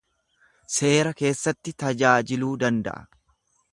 seera keessatti tajaajiluu danda'a.